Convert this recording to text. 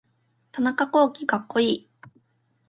田中洸希かっこいい